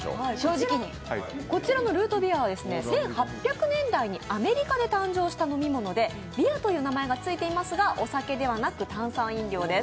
こちらのルートビアは１８００年代でアメリカで誕生したものでＢＥＥＲという名前がついていますが、お酒ではなく炭酸飲料です。